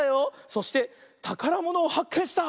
そしてたからものをはっけんした！